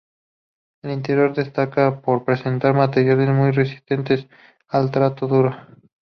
El interior destaca por presentar materiales muy resistentes al trato duro.